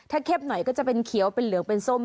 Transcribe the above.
ถ้าเข้มหน่อยก็จะเป็นเขียวเป็นเหลืองเป็นส้ม